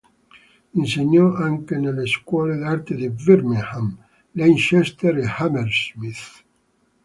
Insegnò anche nelle scuole d'arte di Birmingham, Leicester e Hammersmith.